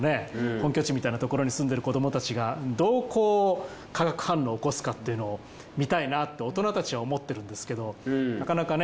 本拠地みたいなところに住んでる子どもたちがどう化学反応を起こすかっていうのを見たいなと大人たちは思ってるんですけどなかなかね。